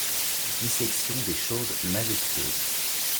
Dissection des choses majestueuses